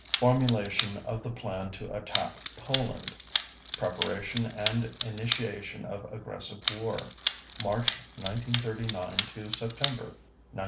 _Formulation of the plan to attack Poland: preparation and initiation of aggressive war: March 1939 to September 1939.